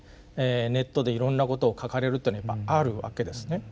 ネットでいろんなことを書かれるっていうのはあるわけですね。